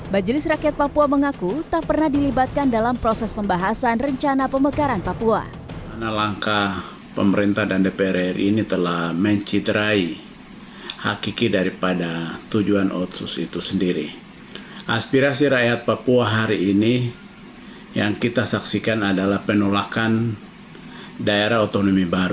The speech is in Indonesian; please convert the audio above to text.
majelis rakyat papua mengaku tak pernah dilibatkan dalam proses pembahasan rencana pemekaran papua